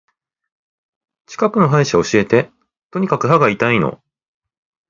近くの歯医者教えて。とにかく歯が痛いの。